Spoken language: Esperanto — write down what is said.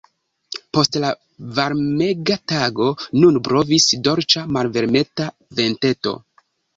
Post la varmega tago nun blovis dolĉa, malvarmeta venteto.